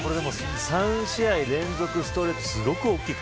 ３試合連続ストレートってすごく大きい。